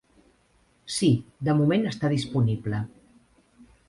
Sí, de moment està disponible.